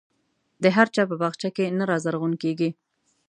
د هر چا په باغچه کې نه رازرغون کېږي.